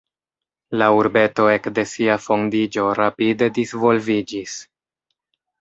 La urbeto ekde sia fondiĝo rapide disvolviĝis.